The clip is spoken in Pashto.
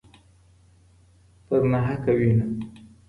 په ناحقه وینو